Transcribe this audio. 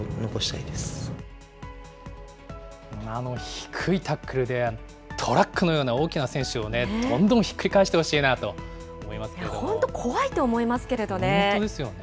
低いタックルで、トラックのような大きな選手をどんどんひっくり返してほしいなと本当、本当ですよね。